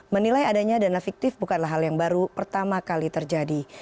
menilai adanya dana fiktif bukanlah hal yang baru pertama kali terjadi